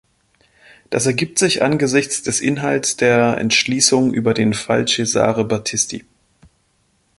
Das ergibt sich angesichts des Inhalts der Entschließung über den Fall Cesare Battisti.